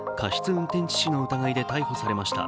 運転致死の疑いで逮捕されました。